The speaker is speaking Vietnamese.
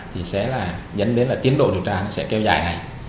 thì sẽ là dẫn đến là tiến độ điều tra sẽ kêu dài ngày